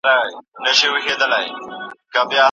مدیتیشن مو له اندېښنو څخه خلاصوي.